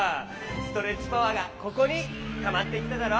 ストレッチパワーがここにたまってきただろ。